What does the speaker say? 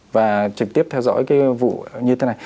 và trực tiếp theo dõi cái vụ như thế này